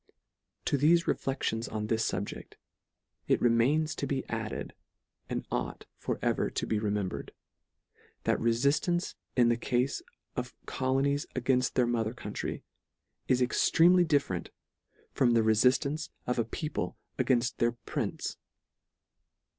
To thefe reflections on this fubject , it re mains to be added, and ought for ever to be remembred ; that refiftance in the cafe of colonies againft their mother country, is ex tremely different from the refiftance of a people againft their prince.